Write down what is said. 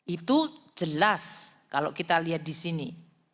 itu jelas kalau kita lihat di sini